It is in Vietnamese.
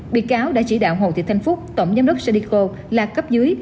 bị cáo đã chỉ đạo hồ thị thanh phúc tổng giám đốc cedico là cấp dưới